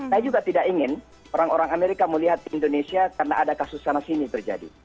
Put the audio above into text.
saya juga tidak ingin orang orang amerika melihat indonesia karena ada kasus sana sini terjadi